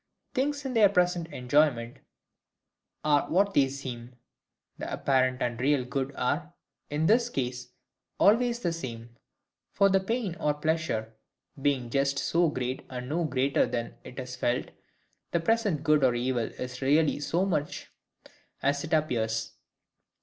Things in their present enjoyment are what they seem: the apparent and real good are, in this case, always the same. For the pain or pleasure being just so great and no greater than it is felt, the present good or evil is really so much as it appears.